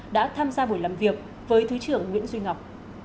đã tham gia buổi làm việc với thứ trưởng nguyễn duy ngọc